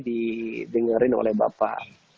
didengarkan oleh bapak